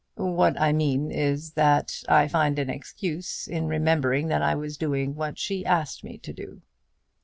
"What I mean is that I find an excuse in remembering that I was doing what she asked me to do."